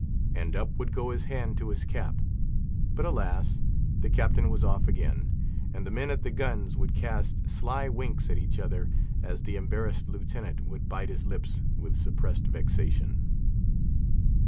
and up would go his hand to his cap; but, alas! the Captain was off again; and the men at the guns would cast sly winks at each other as the embarrassed Lieutenant would bite his lips with suppressed vexation.